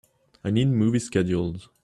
I need movie schedules